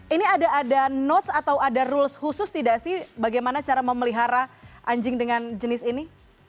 ini ada notes atau ada rules khusus tidak sih bagaimana cara memelihara anjing dengan jenis ini